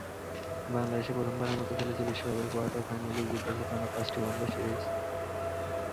বাংলাদেশ প্রথমবারের মতো খেলেছে বিশ্বকাপের কোয়ার্টার ফাইনালে, জিতেছে টানা পাঁচটি ওয়ানডে সিরিজ।